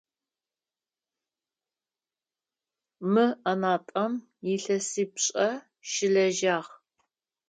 Мы ӏэнатӏэм илъэсипшӏэ щылэжьагъ.